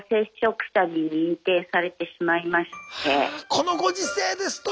このご時世ですと。